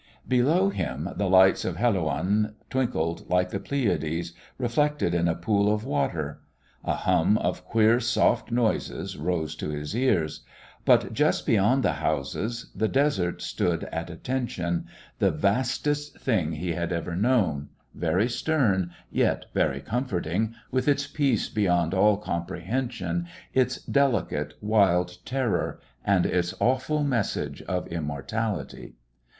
Below him the lights of Helouan twinkled like the Pleiades reflected in a pool of water; a hum of queer soft noises rose to his ears; but just beyond the houses the desert stood at attention, the vastest thing he had ever known, very stern, yet very comforting, with its peace beyond all comprehension, its delicate, wild terror, and its awful message of immortality.